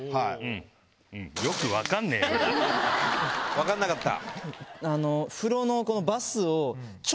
分かんなかった。